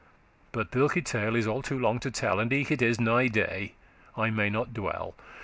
But thilke tale is all too long to tell; And eke it is nigh day, I may not dwell.